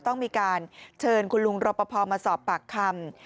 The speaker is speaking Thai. ต้องมีการเชิญคุณลุงรปภมาสอบปากคำ